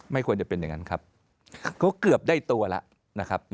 ไม่ควรจะเป็นอย่างนั้นครับเขาเกือบได้ตัวแล้วนะครับ